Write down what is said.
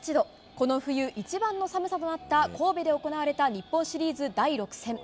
この冬一番の寒さとなった神戸で行われた日本シリーズ第６戦。